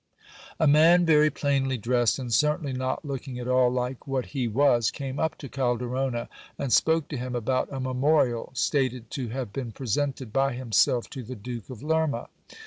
A man very plainly dressed, and certainly not looking at all like what he was, came up tcv Calderona and spoke to him about a memorial, stated to have been presented by himself to the Duke of Lerma.